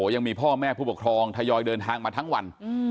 ยังมีพ่อแม่ผู้ปกครองทยอยเดินทางมาทั้งวัน